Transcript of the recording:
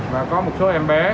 và có một số em bé